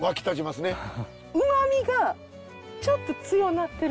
うまみがちょっと強なってる。